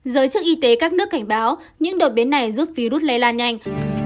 giới chức y tế các nước cảnh báo những đột biến này giúp virus lây lan nhanh